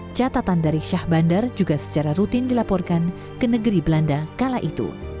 catatan dari syah bandar juga secara rutin dilaporkan ke negeri belanda kala itu